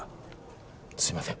すいません。